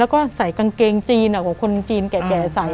เกรงจีนอะคนจีนแก่ใส